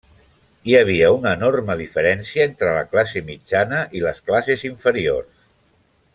Hi havia una enorme diferència entre la classe mitjana i les classes inferiors.